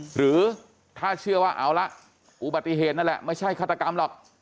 หรือถ้าเชื่อว่าเอาละอุบัติเหตุนั่นแหละไม่ใช่ฆาตกรรมหรอก